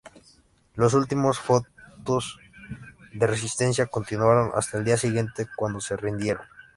Los últimos fotos de resistencia continuaron hasta el día siguiente, cuando se rindieron.